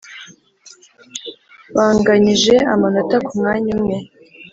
banganyije amanota ku mwanya umwe,